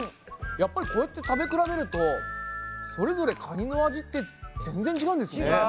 やっぱりこうやって食べ比べるとそれぞれカニの味って全然違うんですね。